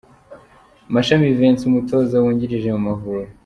Mashami Vincent umutoza wungirije mu Mavubi.